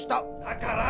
だから！